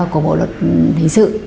của bộ luật hình sự